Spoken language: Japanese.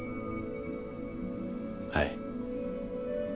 はい。